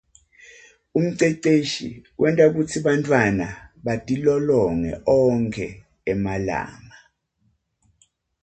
Umceceshi wenta kutsi bantfwana batilolonge onkhe emalanga.